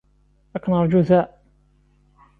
Ad k-neṛju da?